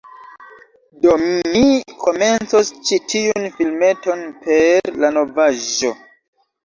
Do mi komencos ĉi tiun filmeton per la novaĵo.